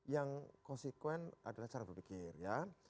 yang konsekuen adalah cara berpikir ya